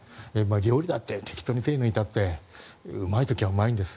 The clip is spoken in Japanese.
料理だって適当に手を抜いたってうまい時はうまいんです。